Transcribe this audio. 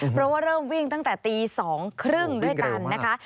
เพราะว่าเริ่มวิ่งตั้งแต่ตี๒๓๐ด้วยกันนะคะ